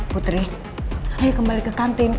putri ayo kembali ke kantin